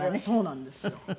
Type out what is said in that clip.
そうなんですよ。